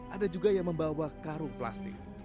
ada juga yang membawa karung plastik